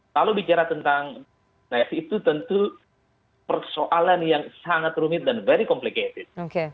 kalau bicara tentang nayas itu tentu persoalan yang sangat rumit dan very complicated